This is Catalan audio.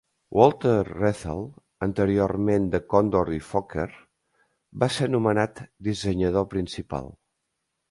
Walter Rethel, anteriorment de Kondor i Fokker, va ser nomenat dissenyador principal.